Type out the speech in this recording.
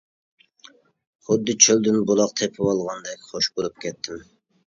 خۇددى چۆلدىن بۇلاق تېپىۋالغاندەك خۇش بولۇپ كەتتىم.